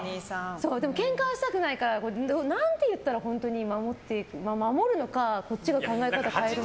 ケンカしたくないから何と言ったら本当に守るのかこっちが考え方を変えるのか。